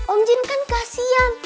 om jin kan kasihan